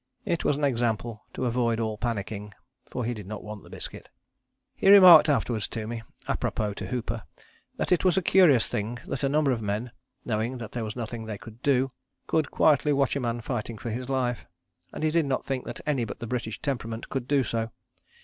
It was an example to avoid all panicking, for he did not want the biscuit. "He remarked afterwards to me, apropos to Hooper, that it was a curious thing that a number of men, knowing that there was nothing they could do, could quietly watch a man fighting for his life, and he did not think that any but the British temperament could do so.